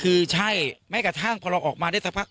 คือใช่แม้กระทั่งพอเราออกมาได้สักพัก